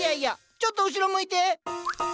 ちょっと後ろ向いて。